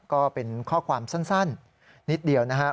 ก็เป็นข้อความสั้นนิดเดียวนะฮะ